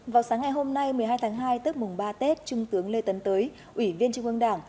vào sáng ngày hôm nay một mươi hai tháng hai tức mùng ba tết trung tướng lê tấn tới ủy viên trung ương đảng